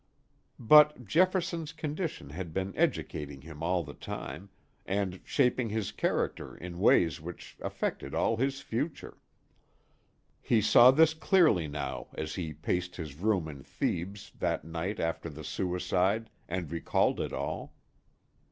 But Jefferson's condition had been educating him all the time, and shaping his character in ways which affected all his future. He saw this clearly now as he paced his room in Thebes that night after the suicide, and recalled it all.